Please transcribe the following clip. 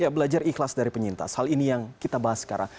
belajar ikhlas dari penyintas hal ini yang kita bahas sekarang